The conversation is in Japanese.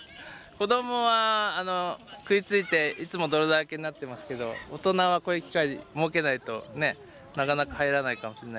子どもは食いついていつも泥だらけになっていますけど大人はこういう機会を設けないとねなかなか入らないかもしれないので。